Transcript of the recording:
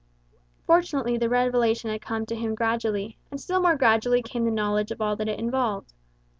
Fortunately the revelation had come to him gradually; and still more gradually came the knowledge of all that it involved.